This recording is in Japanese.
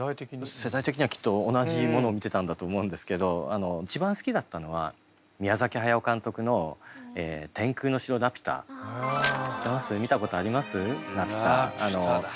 世代的にはきっと同じものを見てたんだと思うんですけど一番好きだったのは宮崎駿監督の「天空の城ラピュタ」。知ってます？